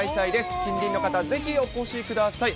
近隣の方、ぜひお越しください。